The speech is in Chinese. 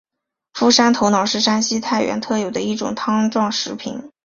傅山头脑是山西太原特有的一种汤状食品。